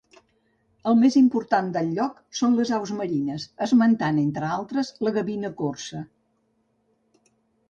El més important del lloc són les aus marines, esmentant, entre altres la gavina corsa.